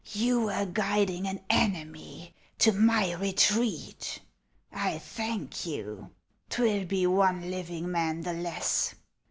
" You were guiding an enemy to my retreat. I thank you ! 'T will be one living man the less.